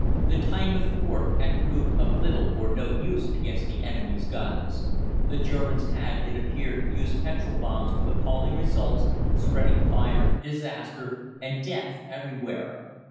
The Tynemouth fort had proved of little or no use against the enemy's guns. The Germans had, it appeared, used petrol bombs with appalling results, spreading fire, disaster, and death everywhere.